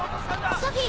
ソフィー！